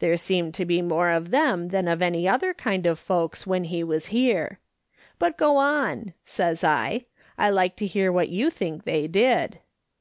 There seemed to be more of them than of any other kind of folks when he was here. But go on,' says I, ' I like to hear what you think they did.'